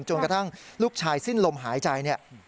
จนกระทั่งลูกชายสิ้นลมหายใจเนี่ย